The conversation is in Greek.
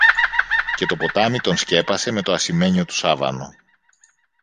και το ποτάμι τον σκέπασε με το ασημένιο του σάβανο.